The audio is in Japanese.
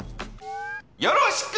よろしく！